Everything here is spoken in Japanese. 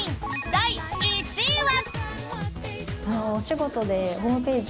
第１位は。